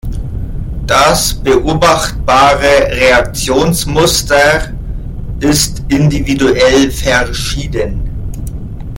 Das beobachtbare Reaktionsmuster ist individuell verschieden.